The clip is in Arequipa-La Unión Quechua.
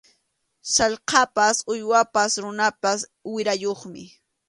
Sallqapas uywapas runapas wirayuqmi.